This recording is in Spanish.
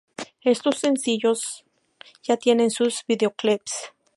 Estos sencillos ya tienen sus videoclips.